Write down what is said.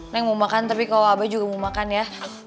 neng mau makan tapi kalau abah juga mau makan ya